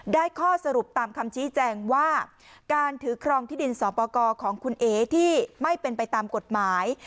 ข้อสรุปตามคำชี้แจงว่าการถือครองที่ดินสอปกรของคุณเอ๋ที่ไม่เป็นไปตามกฎหมาย